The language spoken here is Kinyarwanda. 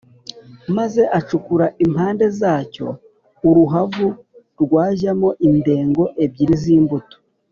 maze acukura impande zacyo uruhavu rwajyamo indengo ebyiri z’imbuto